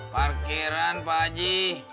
parkiran pak haji